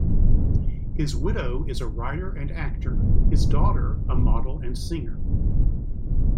His widow is a writer and actor, his daughter a model and singer.